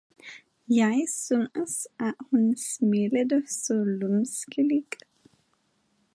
Jeg syntes at hun smilede så lumskelig